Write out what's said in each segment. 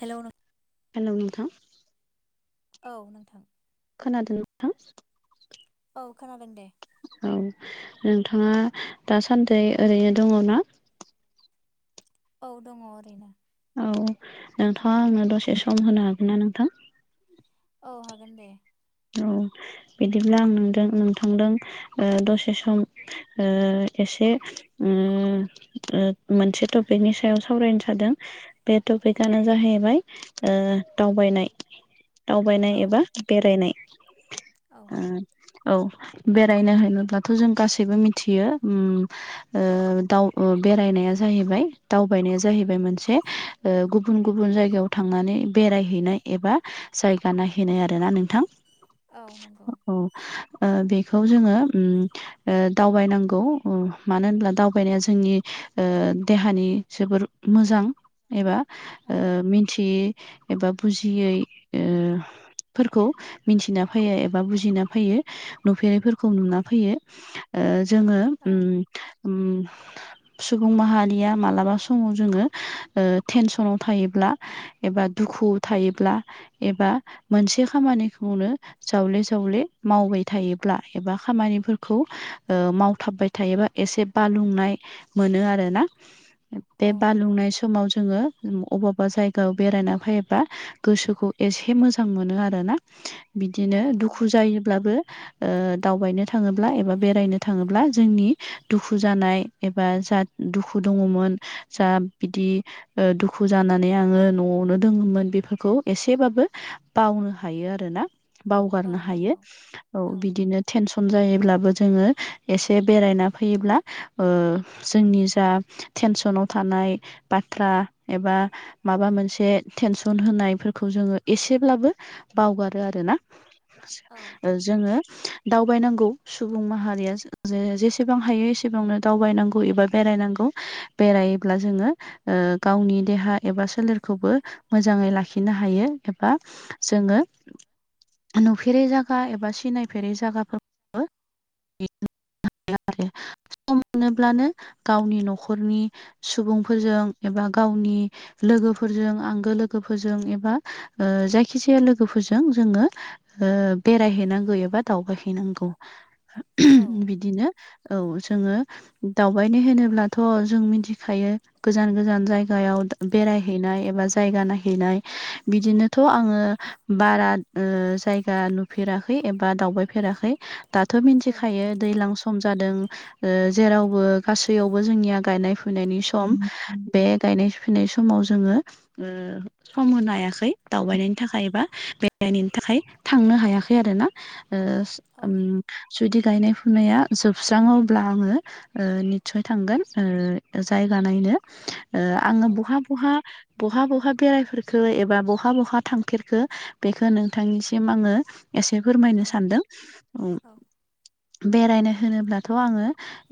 हेल' नों हेलौ नोंथां। औ नोंथां। खोनादों नोंथां? औ खोनादों दे। औ, नोंथाङा दासान्दि ओरैनो दङ ना? औ दङ ओरैनो। औ नोंथाङा आंनो दसे सम होनो हागोन ना नोंथां? औ हागोन दे। औ बिदिब्ला आं नोंदों नोंथांदों ओ दसे सम। ओ एसे। ओम ओ मोनसे टपिकनि सायाव सावरायनो सानदों बे टपिकआनो जाहैबाय ओ दावबायनाय। दावबायनाय औ एबा बेरायनाय। औ। ओ औ बेरायनो होनोबब्लाथ' जों गासैबो मिथियो ओम। ओ दाव बेरायनाया जाहैबाय दावबायनाया जाहैबाय मोनसे। ओ गुबुन गुबुन जायगायाव थांनानै बेरायहैनाय एबा जायगा नायहैनाय आरोना नोंथां। औ नंगौ। औ। ओ बेखौ जोङो ओम ओ दावबायनांगौ ओ मानो होनब्ला दावबायनाया जोंनि ओ देहानि जोबोर मोजां एबा औ ओ मिन्थियि एबा बुजियै ओ फोरखौ मिथिना फैयो एबा बुजिना फैयो, नुफेरैफोरखौ नुना फैयो। ओ जोङो ओम औ ओम सुबुं माहारिया मालाबा समाव जोंङो ओ टेनसनाव थायोब्ला। एबा दुखु थायोब्ला एबा मोनसे खामानिखौनो जावले जावले मावबाय थायोब्ला एबा खामानिफोरखौ मावथाबबाय थायोब्ला थायोबा एसे बालुंनाय मोनो आरोना बे औ नंगौ बालुंनाय समाव जोङो अबावबा जायगायाव बेरायना फैयोबा गोसोखौ एसे मोजां मोनो आरोना औ बिदिनो दुखु नंगौ जायोब्लाबो ओ दावबायनो थाङोब्ला एबा बेरायनो थाङोब्ला जोंनि दुखु जानाय एबा जा दुखु दङमोन जा बिदि दुखु जानानै आङो न'आवनो दङमोन बेफोरखौ एसेबाबो बावनो हायो आरोना औ बावगारनो हायो नंगौ औ बिदिनो टेनसन जायोब्लाबो जोंङो एसे बेरायना फैयोब्ला ओ जोंनि जा टेनसनाव थानाय बाथ्रा एबा माबा मोनसे टेनसन होनायफोरखौ जोंङो एसेब्लाबो बावगारो आरोना औ जोंङो दावबायनांगौ सुबुं माहारिया जेसेबां हायो एसेबांनो दावबायनांगौ एबा बेरायनांगौ बेरायोब्ला जोङो गावनि देहा एबा सोलेरखौबो मोजाङै लाखिनो हायो एबा जोंङो नुफेरै जायगा एबा सिनायफेरै जायगाफोरखौबो [unintelligible] आरो सम मोनोब्लानो गावनि न'खरनि सुबुंफोरजों एबा गावनि लोगोफोरजों आंगो लोगोफोरजों एबा ओ जायखिजाया लोगोफोरजों लोगोफोरजों जोङो ओ बेरायहैनांगौ एबा दावबाय हैैनांगौ औ बिदिनो औ जोङो दावबायनाय होनोब्लाथ' जों मिथिखायो गोजान गोजान जायगायाव बेरायहैनाय एबा जायगा नायहैनाय बिदिनोथ' आङो बारा जायगा नुफेराखै एबा दावबायफेराखै दाथ' औ मिथिखायो दैज्लां सम जादों जेरावबो गासैयावबो जोंनिया गायनाय फुनायनि सम बे गायनाय फुनाय समाव जोङो ओ सम होनो हायाखै दावबायनायनि थाखायबा बेरायनायनि थाखाय थांनो हायाखै आरो ना ओ औ ओम जुदि गायनाय फुनाया जोबस्राङो अब्ला आङो ओ निस्सय थांगोन ओ जायगा नायनो। ओ आङो औ बहा बहा बहा बहा बेरायफेरखो एबा बहा बहा थांफेरखो बेखौ नोंथांनिसिम आङो एसे औ फोरमायनो सानदों ओं बेरायनो होनोब्लाथ' आङो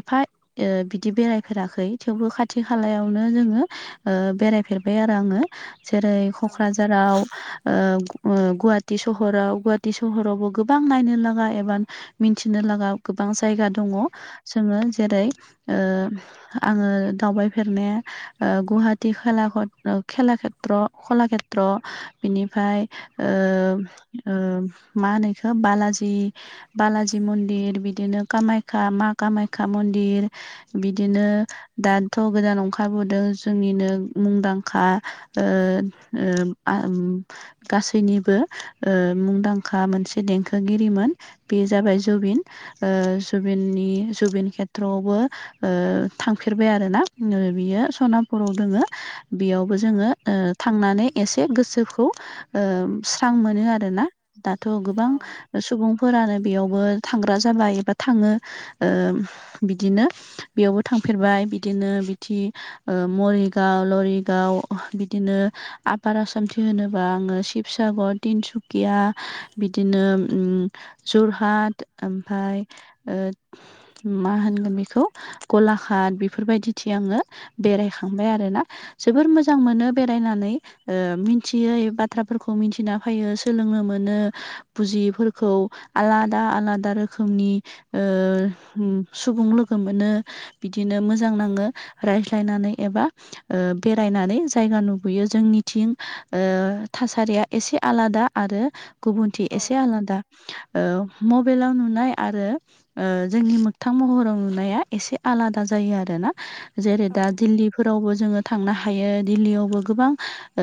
एफा ओ बिदि बेरायफेराखै थेवबो खाथि खालायावनो जोङो ओ बेरायफेरबाय आरो आङो जेरै औ क'क्राझाराव ओ ओ गुवाहाटि सहराव गुवाहाटि सहरावबो गोबां नायनो लागा एबा मिथिनो लागा गोबां जायगा दङ जोङो जेरै ओ आङो दावबायफेरनाया गुवाहाटि कलाक्षेत्र बिनिफ्राय ओ ओ मा होनो बेखौ बालाजि बालाजि मन्दिर बिदिनो कामाख्या मा कामाख्या मन्दिर बिदिनो दाथ' गोदान ओंखारबोदों जोंनिनो मुंदांखा ओ गासैनिबो ओ मुंदांखा मोनसे देंखोगिरिमोन बे जाबाय जुबिन जुबिननि जुबिन खेथ्रआवबो ओ थांफेरबाय आरो ना ओ बियो सनापुराव दङ बेयावबो जोङो ओ थांनानै एसे गोसोखौ ओ स्रां मोनो आरो ना दाथ' गोबां सुबुंफोरानो बेयावबो थांग्रा जाबाय एबा थाङो। ओ बिदिनो बेयावबो थांफेरबाय बिदिनो बिथि ओ मरिगाव लरिगाव बिदिनो आफार आसामथि होनोबा आङो शिबसागर तिनसुकिया बिदिनो ओम जरहाट ओमफ्राय मा होनगोन बेखौ गलाघाट बेफोरबायदिथि आङो बेरायखांबाय आरोना जोबोर मोजां मोनो बेरायनानै ओ मिथियै बा थ्राफोरखौ मिथिना फैयो सोलोंनो मोनो बुजियिफोरखौ आलादा आलादा रोखोमनि ओ सुबुं लोगो मोनो। बिदिनो मोजां नाङो रायज्लायनानै एबा ओ बेरायनानै। जायगा नुबोयो जोंनिथिं ओ थासारिया एसे आलादा आरो गुबुनथि एसे आलादा ओ मबाइलाव नुनाय आरो ओ जोंनि मोगथां महराव नुनाया एसे आलादा जायो आरो ना। जेरै औ दा दिल्लीफोरावबो जोङो थांनो हायो दिल्लीयावबो गोबां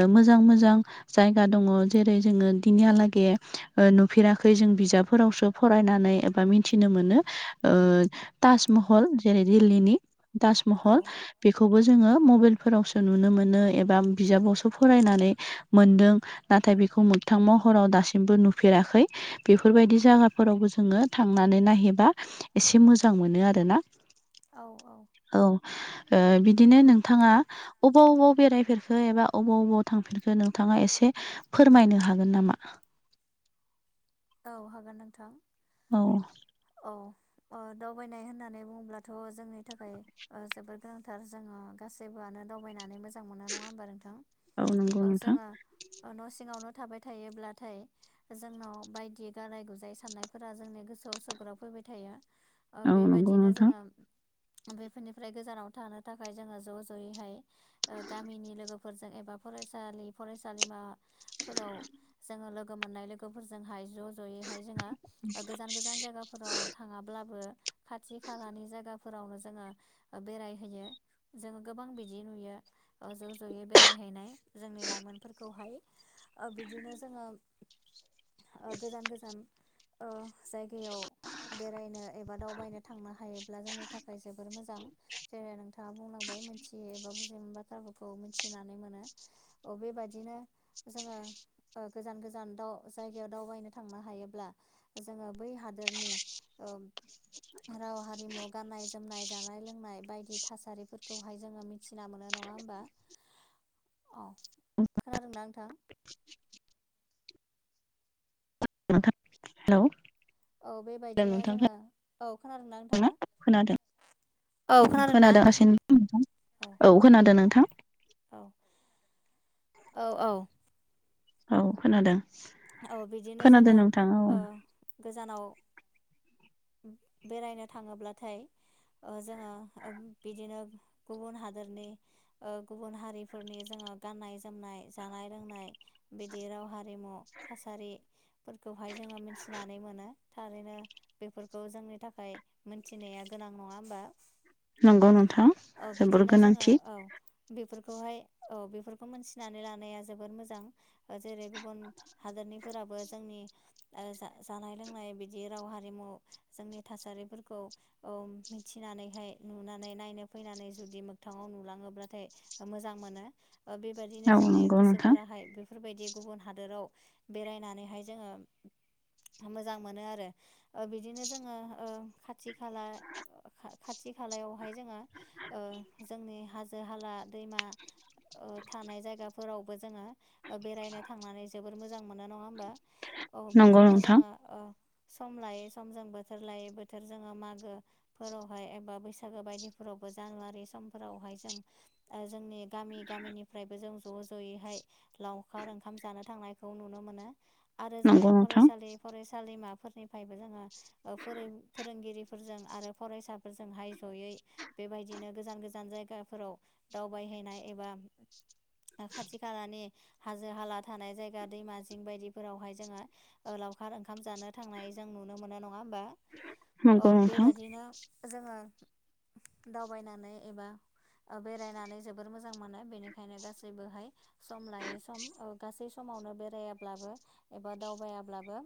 ओ मोजां मोजां जायगा दङ जेरै जोङो दिनिहालागै ओ नुफेराखै जों बिजाबफोराव सो फरायनानै एबा मिथिनो मोनो ओ ताजमहल जेरै दिल्लीनि। ताजमहल बेखौबो जोङो मबाइलफोरावसो नुनो मोनो एबा बिजाबावसो फरायनानै मोनदों नाथाय बेखौ मोगथां महराव दासिमबो नुफेराखै बेफोरबायदि जागाफोरावबो जोङो थांनानै नायहैबा एसे मोजां मोनो आरोना औ औ ओ बिदिनो नोंथाङा अबाव अबाव बेरायफेरखो एबा अबाव अबाव थांफेरखो नों थाङा एसे फोरमायनो हागोन नामा औ हागोन नोंथां औ औ अ दावबायनाय होननानै बुङोब्लाथ' जोंनि थाखाय ओ जोबोर गोनांथार जोङो गासैबोआनो दावबायनानै मोजां मोजां मोना नङा होमबा नोंथां औ नंगौ ओ नोंथां जोङो न' सिङावनो थाबाय थायोब्लाथाय जोंनाव बायदि गालाय गुजाय साननायफोरा जोंनि गोसोआव सौग्राबफैबाय थायो। ओ औ नंगौ बेबायदिनो नोंथां जोङो बेफोरनिफ्राय गोजानाव थानो थाखाय जोङो ज' जयैहाय ओ गामिनि लोगोफोरजों एबा फरायसालि फरायसालिमा फोराव जोङो लोगो मोननाय लोगोफोरजोंहाय ज' ज'यैहाय जोङो ओ गोजान गोजान जायगाफ फोराव थाङाब्लाबो खाथि खालानि जायगाफोरावनो जोङो ओ बेरायहैयो। जोङो गोबां बिदि नुयो ओ ज' ज'यै बेरायहैनाय। जोंनि लाइमोनफोरखौहाय ओ बिदिनो जोङो ओ गोजान गोजान ओ जायगायाव बेरायनो एबा दावबायनो थांनो हायोब्ला जोंनि थाखाय जोबोर मोजां। जेरै नोंथाङा बुंलांबाय मिथियो एबा बुजि मोन बाथ्राफोरखौ मिथिनानै मोनो अ बेबायदिनो जोङो ओ गोजान गोजान दाव जायगायाव दावबायनो थांनो हायोब्ला जोङो बै हादोरनि औ राव हारिमु गाननाय जोमनाय जानाय लोंनाय बायदि थासारिफोरखौहाय जोङो मि थिना मोनो नङा होमबा [inaudible] अ खोनादोंना नोंथां? नोंथां हेलौ। औ बेबायदिनो नोंथां जोङो औ खोनादोंना नोंथाङा? औ खोनादोंना खोनादों [unintelligible] नोंथां औ खोनादों नोंथां। औ औ औ। औ खोनादों। औ बिदिनो खोनादों जोङो नोंथां औ ओ‌ गोजानाव बेरायनो थाङोब्लाथाय ओ जोङो बिदिनो गुबुन हादोरनि ओ गुबुन हारिफोरनि जोङो गाननाय जोमनाय जानाय लोंनाय बिदि राव हारिमु थासारि फोरखौहाय जोङो मिनथिनानै मोनो थारैनो। बेफोरखौ जोंनि थाखाय मोनथिनाया गोनां नङा होमबा? नंगौ नोंथां औ जोबोर बिदिनो जोङो गोनांथि औ बेफोरखौहाय औ बेफोरखौ मोनथिनानै लानाया जोबोर मोजां। ओ जेरै गुबुन हादोरनिफोराबो जोंनि ओ जा-जानाय लोंनाय बिदि राव हारि हारिमु जोंनि थासारिफोरखौ औ मिथिनानैहाय नुनानै नायनो फैनानै जुदि मोगथाङाव नुलाङोब्लाथाय मोजां मोनो ओ बेबादिनो औ जोंनि नंगौ नोंथां गोसोफोराहाय बे बेफोरबायदि गुबुन हादोराव बेरायनानैहाय जोङो मोजां मोनो आरो। ओ बिदिनो जोङो ओ खाथि खाला खाथि खालायावहाय जोङो ओ जोंनि हाजो हाला दैमा ओ थानाय जायगाफोरावबो जोङो ओ बेरायनो थांनानै जोबोर मोजां मोजां‌ मोनो नंङा होनबा? औ नंगौ बिदिनो नोंथां जोंङो ओ सम लायो सम जों बोथोर लायै बोथोर जोङो मागो फोरावहाय एबा बैसागो बायदिफोरावबो जानुवारि समफोरावहाय जों ओ जोंनि गामि गामिनिफ्रायबो जों ज' ज'यैहाय लावखार ओंखाम जानो थांनायखौ नुनो मोनो। आरो जोङो नंगौ नोंथां फरायसालि फरायसालिमाफोरनिफ्रायबो जोङो ओ फोरों-फोरोंगिरि फोरजों आरो फरायसाफोरजोंहाय जयै बेबायदिनो गोजान गोजान जायगाफोराव दावबायहैनाय एबा खाथि खालानि हाजो हाला थानाय जायगा दैमा जिं बायदिफोरावहाय जोङो ओ लावखार ओंखाम जानो थांनाय जों नुनो मोनो नङा होमबा? औ नंगौ नोंथां बेबादिनो जोङो दावबायनानै एबा ओ बेरायनानै जोबोर मोजां मोनो बेनिखायनो गासैबोहाय सम लायै सम ओ गासै समावनो बेरायाब्लाबो एबा दावबायाब्लाबो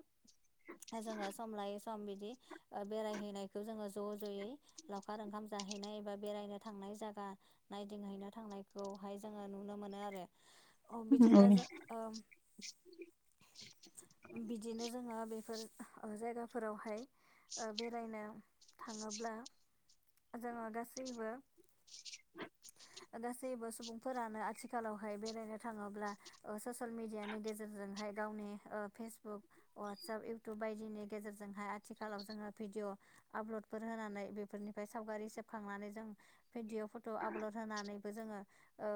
जोङो सम लायो सम बिदि ओ बेरायहैनायखौ जोङो ज' ज'यै लावखार ओंखाम जाहैनाय एबा बेरायनो थांनाय जायगा नायदिंहैनो थांनायखौहाय जोङो नुनो मोनो आरो औ बिदिनो ओ जों बिदिनो जोङो बेफोर आ आह जायगाफोरावहाय बेरायनो थाङोब्ला जोङो गासैबो [inaudible] गासैबो सुबुंफोरानो आथिखालावहाय बेरायनो थाङोब्ला ओ ससियेल मिडियानि गेजेरजोंहाय गावनि ओ फेसबुक वाटसप युउ टुब बायदिनि गेजेरजोंहाय आथिखालाव जोङो भिडिअ आपल'डफोर होनानै बेफोरनिफ्राय सावगारि सेबखांनानै जों भिडिअ फट' आपल'ड होनानै खौ जोङो ओ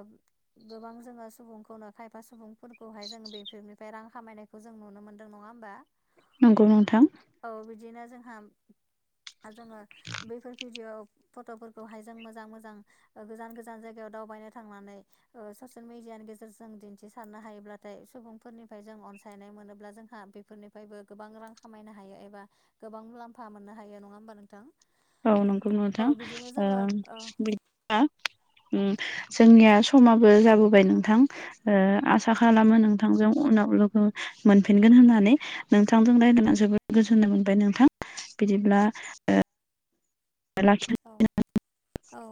गोबां जोङो सुबुंखौनो खायफा सुबुंफोरखौहाय जों बेफोरनिफ्राय रां खामायनाय बेखौ जों नुनो मोनदों नङा होमबा? नंगौ नोंथां। औ बिदिनो जोंहा जोङो बैफोर भिडिअ' फट'फोरखौहाय जों मोजां मोजां ओ गोजान गोजान जायगायाव दावबायनो थांनानै ओ ससियेल मिडियानि गेजेरजों दिन्थिसारनो हायोब्लाथाय सुबुंफोरनिफ्राय जों अनसायनाय मोनोब्ला जों ह बेफोरनिफ्रायबो गोबां रां खामायनो हायो एबा गोबां मुलाम्फा मोननो हायो नङा होमबा नोंथां? औ नंगौ औ नथां बिदिनो ओ जोङो औ ओम जोंनिया समाबो जाबोबाय नोंथां। ओ आसा खालामो नोंथांजों उनाव लोगो मोनफिनगोन होननानै नोंथांजों रायज्लायनानै जोबोद गोजोननाय मोनबाय नोंथां। बिदिब्ला ओ ला औ औ।